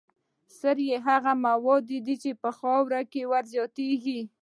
سرې هغه مواد دي چې په خاوره کې ور زیاتیږي.